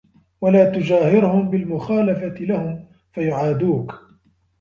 وَلَا تُجَاهِرْهُمْ بِالْمُخَالَفَةِ لَهُمْ فَيُعَادُوك